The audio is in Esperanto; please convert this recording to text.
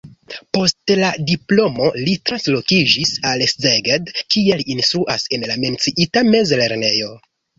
Post la diplomo li translokiĝis al Szeged, kie li instruas en la menciita mezlernejo.